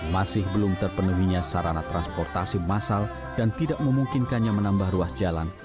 masih belum terpenuhinya sarana transportasi massal dan tidak memungkinkannya menambah ruas jalan